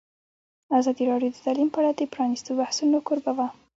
ازادي راډیو د تعلیم په اړه د پرانیستو بحثونو کوربه وه.